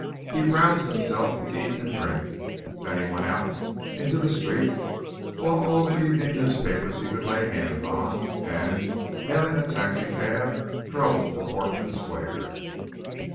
He roused himself to eat and drink; then he went out into the street, bought all the evening newspapers he could lay hands on, and, hailing a taxi cab, drove to Portman Square.